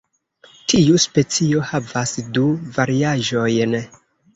Tiu specio havas du variaĵojn.